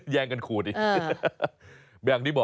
แย่งกันคูลดิ